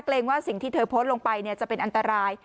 เกรงว่าสิ่งที่เธอโพสต์ลงไปเนี่ยจะเป็นอันตราย